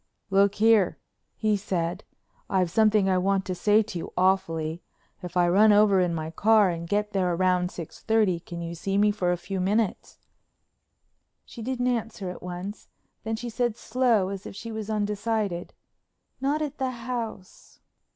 "Look here," he said, "I've something I want to say to you awfully. If I run over in my car and get there round six thirty, can you see me for a few minutes?" She didn't answer at once. Then she said slow as if she was undecided: "Not at the house."